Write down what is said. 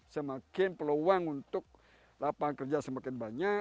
semakin peluang untuk lapangan kerja semakin banyak